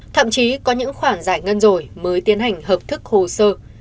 thậm chí có những khoản giải ngân rồi mới tiến hành hợp thức hồ sơ